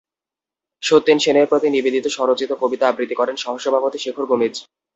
সত্যেন সেনের প্রতি নিবেদিত স্বরচিত কবিতা আবৃত্তি করেন সহসভাপতি শেখর গোমেজ।